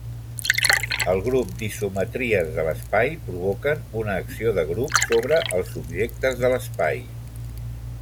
El grup d'isometries de l'espai provoquen una acció de grup sobre els objectes de l'espai.